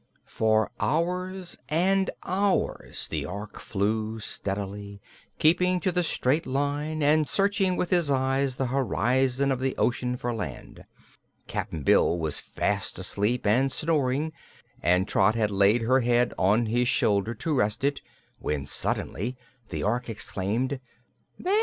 For hours and hours the Ork flew steadily, keeping to the straight line and searching with his eyes the horizon of the ocean for land. Cap'n Bill was fast asleep and snoring and Trot had laid her head on his shoulder to rest it when suddenly the Ork exclaimed: "There!